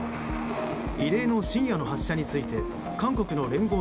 異例の深夜の発射について韓国の聯合